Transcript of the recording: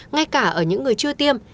ngay cả ở những người chưa tiêm